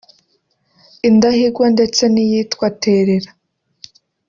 Indahigwa ndetse n’iyitwa Terera